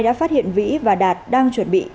đã phát hiện vĩ và đạt đang chuẩn bị